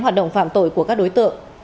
hoạt động phạm tội của các đối tượng